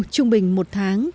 trung bình một tháng